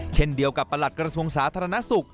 เช่นเดียวกับประหลัดกระทรวงสาธารณสุข